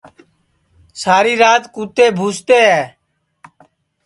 ساری رات کُتے بھوکتے ہے